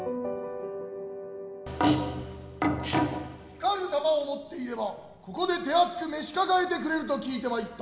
光る玉を持っていればここで手厚く召し抱えてくれると聞いて参った。